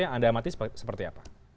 yang anda amati seperti apa